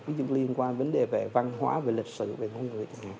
ví dụ liên quan đến vấn đề về văn hóa về lịch sử về môn người